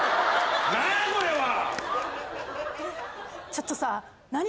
ちょっとさ何